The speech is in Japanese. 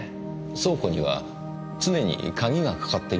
倉庫には常に鍵がかかっていますよね？